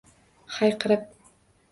Hayqirib: